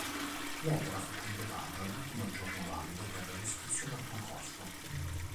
L'opera fu completata l'ultimo giorno valido per l'iscrizione al concorso.